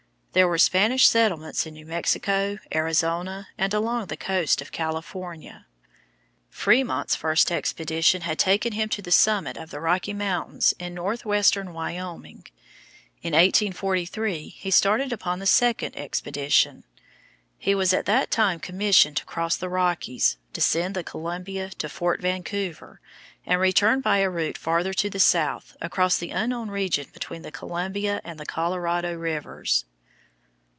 There were Spanish settlements in New Mexico, Arizona, and along the coast of California. Frémont's first expedition had taken him to the summit of the Rocky Mountains in northwestern Wyoming. In 1843 he started upon the second expedition. He was at that time commissioned to cross the Rockies, descend the Columbia to Fort Vancouver, and return by a route farther to the south, across the unknown region between the Columbia and the Colorado rivers.